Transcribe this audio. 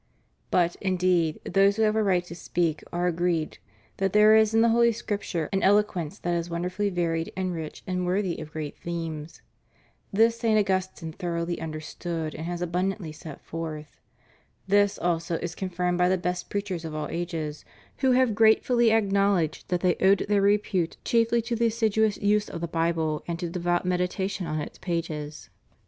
^ But, indeed, those who have a right to speak are agreed that there is in the Holy Scripture an eloquence that is wonderfully varied and rich and worthy of great themes. This St. Augustine thoroughly under stood and has abundantly set forth.* This, also, is con firmed by the best preachers of all ages, who have grate fully acknowledged that they owed their repute chiefly to the assiduous use of the Bible, and to devout meditation on its pages.